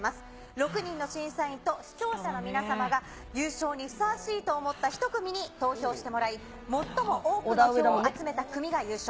６人の審査員と、視聴者の皆様が優勝にふさわしいと思った１組に投票してもらい、最も多くの票を集めた組が優勝。